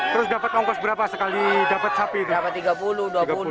terus dapat kongkos berapa sekali dapat sapi itu